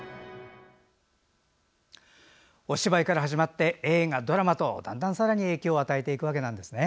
お芝居から始まって映画、ドラマとさらに影響を与えてくわけなんですね。